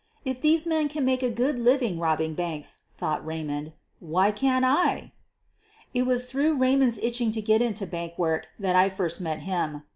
"If these men can make a good living robbing banks,' ' thought Eaymond, "why can't I!" It was through Eaymond 's itching to get into bank work that I first met him.